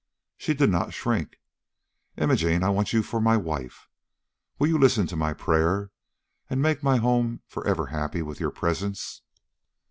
She did not shrink. "Imogene, I want you for my wife. Will you listen to my prayer, and make my home forever happy with your presence?"